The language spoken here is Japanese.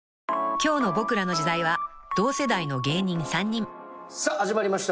［今日の『ボクらの時代』は同世代の芸人３人］始まりました！